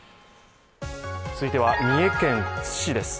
続いては三重県津市です。